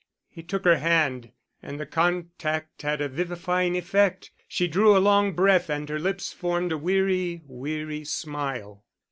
He took her hand, and the contact had a vivifying effect; she drew a long breath, and her lips formed a weary, weary smile.